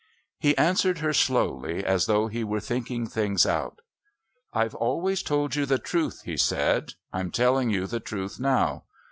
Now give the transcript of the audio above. He answered her slowly, as though he were thinking things out. "I've always told you the truth," he said; "I'm telling you the truth now.